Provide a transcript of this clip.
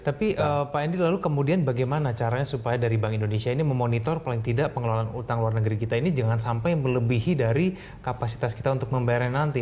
tapi pak endy lalu kemudian bagaimana caranya supaya dari bank indonesia ini memonitor paling tidak pengelolaan utang luar negeri kita ini jangan sampai melebihi dari kapasitas kita untuk membayarnya nanti